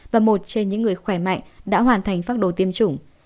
và một trên những người khỏe mạnh đã hoàn thành phác đồ tiêm chủng